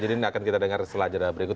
ini akan kita dengar setelah jadwal berikut